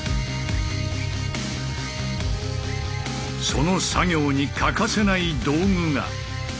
その作業に欠かせない道具が。